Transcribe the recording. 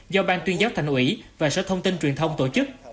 do ban tuyên giáo thành ủy và sở thông tin truyền thông tổ chức